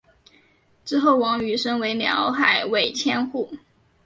之后王瑜升为辽海卫千户。